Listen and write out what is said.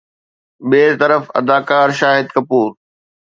ٻئي طرف اداڪار شاهد ڪپور